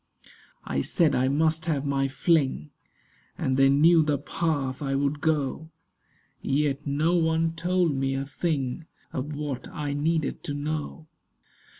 I said I must have my fling, And they knew the path I would go; Yet no one told me a thing Of what I needed to know.